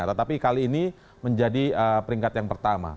tetapi kali ini menjadi peringkat yang pertama